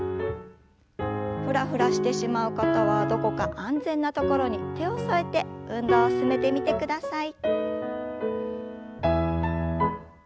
ふらふらしてしまう方はどこか安全な所に手を添えて運動を進めてみてください。